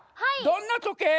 どんなとけい？